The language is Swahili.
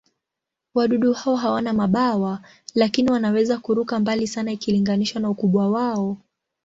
Wadudu hao hawana mabawa, lakini wanaweza kuruka mbali sana ikilinganishwa na ukubwa wao.